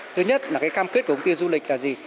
thứ nhất là cái cam kết của công ty du lịch là gì